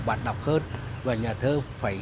bản đọc hơn và nhà thơ phải